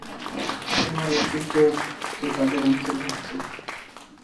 তোমার এ পুত্র তো তাদেরই অন্তর্ভুক্ত।